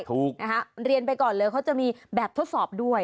ถูกนะคะเรียนไปก่อนเลยเขาจะมีแบบทดสอบด้วย